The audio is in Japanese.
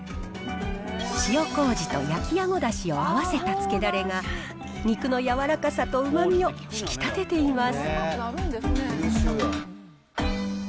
塩こうじと焼きあごだしを合わせた漬けだれが、肉の柔らかさとうまみを引き立てています。